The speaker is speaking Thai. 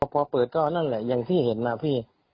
พอเปิดก็นั่นแหละอย่างที่เห็นนะพี่